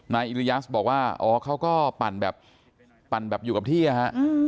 อิริยัสบอกว่าอ๋อเขาก็ปั่นแบบปั่นแบบอยู่กับที่นะฮะ